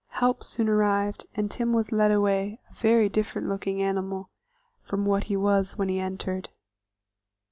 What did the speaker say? Help soon arrived, and Tim was led away a very different looking animal from what he was when he entered.